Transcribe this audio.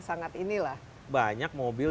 sangat inilah banyak mobil